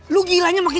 tukar tambah mungkin